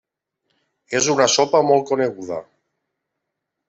És una sopa molt coneguda.